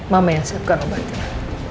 mama yang siapkan obatnya